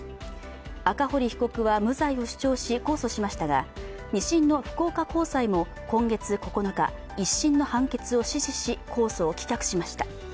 赤堀被告は無罪を主張し、控訴しましたが２審の福岡高裁も今月９日、１審の判決を支持し控訴を棄却しました。